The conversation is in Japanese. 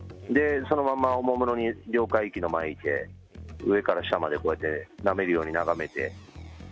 そのまんまおもむろに両替機の前に行って、上から下までこうやってなめるように眺めて。